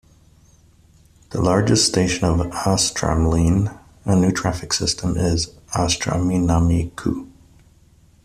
The largest station of Astramline, a new traffic system, is in Asaminami-ku.